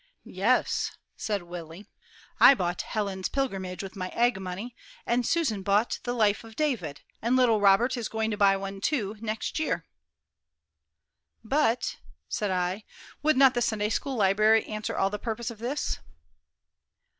"Yes," said Willie, "I bought Helon's 'Pilgrimage' with my egg money, and Susan bought the 'Life of David,' and little Robert is going to buy one, too, next New Year." "But," said I, "would not the Sunday school library answer all the purpose of this?"